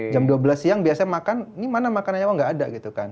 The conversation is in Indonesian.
jam dua belas siang biasanya makan ini mana makanannya oh nggak ada gitu kan